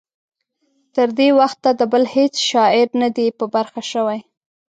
تر دې وخته د بل هیڅ شاعر نه دی په برخه شوی.